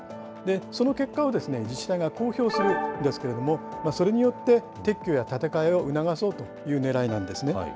その結果を自治体が公表するんですけれども、それによって、撤去や建て替えを促そうというねらいなんですね。